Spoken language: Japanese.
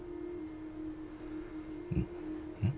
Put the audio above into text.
うん？